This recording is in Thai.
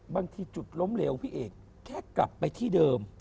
บางทีจุดล้มเหลวพี่เอกแค่กลับไปที่เดิม